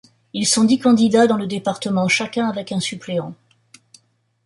Ils sont dix candidats dans le département, chacun avec un suppléant.